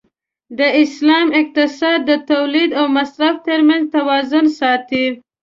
د اسلام اقتصاد د تولید او مصرف تر منځ توازن ساتي.